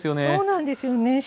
そうなんですよね